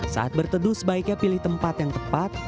saat berteduh sebaiknya pilih tempat yang tepat